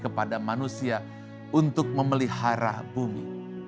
kepada manusia untuk memelihara bumi